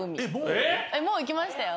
もう行きましたよ。